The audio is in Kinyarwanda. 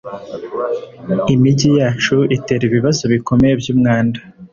Imijyi yacu itera ibibazo bikomeye byumwanda.